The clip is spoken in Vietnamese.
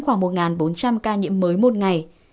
khoảng một bốn trăm linh ca nhiễm mới một ngày